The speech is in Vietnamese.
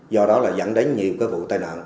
do đó dẫn đến nhiều vụ tai nạn